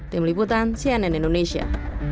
tim liputan cnn indonesia